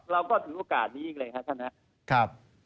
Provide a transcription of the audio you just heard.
เราก็ถือโอกาสนี้เลยครับท่านฮะ